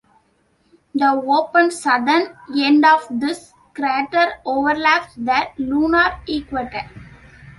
The open southern end of this crater overlaps the lunar equator.